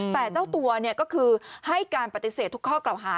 แต่เจ้าตัวก็คือให้การปฏิเสธทุกข้อกล่าวหา